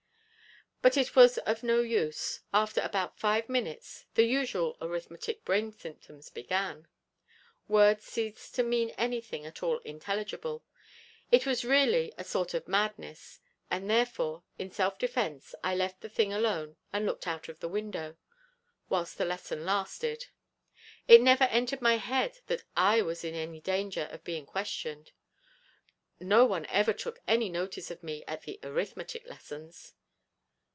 But it was of no use; after about five minutes, the usual arithmetic brain symptoms began; words ceased to mean anything at all intelligible. It was really a sort of madness; and therefore in self defence I left the thing alone and looked out of the window, whilst the lesson lasted. It never entered my head that I was in any danger of being questioned: no one ever took any notice of me at the arithmetic lessons.